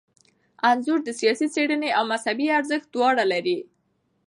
انځور د ساینسي څیړنې او مذهبي ارزښت دواړه لري.